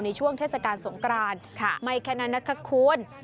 ช่วงเทศกาลสงกรานไม่แค่นั้นนะคะคุณ